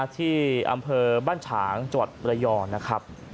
ที่อำเภอบ้านฉางจวัตรระย่อนนะครับ